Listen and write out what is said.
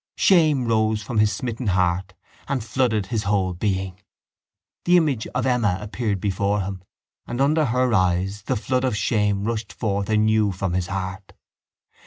Shame rose from his smitten heart and flooded his whole being. The image of Emma appeared before him, and under her eyes the flood of shame rushed forth anew from his heart.